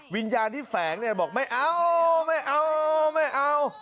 วิญญาณที่แฝงเนี่ยบอกไม่เอา